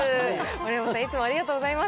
丸山さん、いつもありがとうございます。